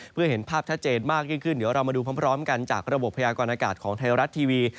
เพื่อเห็นภาพชัดเจนมากยิ่งขึ้นเดี๋ยวเรามาดูพร้อมกันจากระบบพยากรณากาศของไทยรัฐทีวี